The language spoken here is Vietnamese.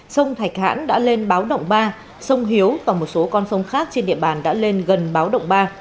sông thạch hãn đã lên báo động ba sông hiếu và một số con sông khác trên địa bàn đã lên gần báo động ba